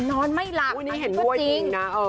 นอนไม่หลักอันนี้ก็จริง